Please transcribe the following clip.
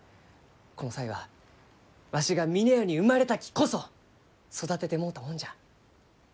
この才はわしが峰屋に生まれたきこそ育ててもろうたもんじゃ。